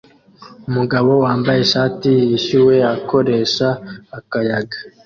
Umugabo wambaye ishati yishyuwe akoresha akayaga